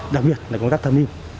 đặc biệt là công tác tham niên